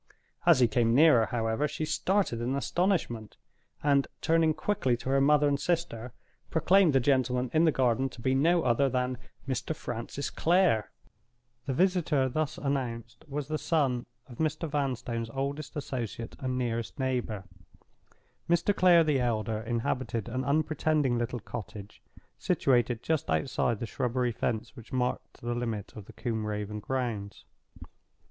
As he came nearer, however, she started in astonishment; and, turning quickly to her mother and sister, proclaimed the gentleman in the garden to be no other than "Mr. Francis Clare." The visitor thus announced was the son of Mr. Vanstone's oldest associate and nearest neighbor. Mr. Clare the elder inhabited an unpretending little cottage, situated just outside the shrubbery fence which marked the limit of the Combe Raven grounds.